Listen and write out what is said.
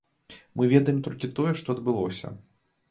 Мы ведаем толькі тое, што адбылося.